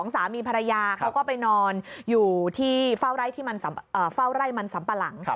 สามีภรรยาเขาก็ไปนอนอยู่ที่เฝ้าไร่มันสัมปะหลัง